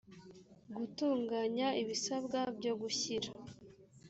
gutunganya ibisabwa byo gushyira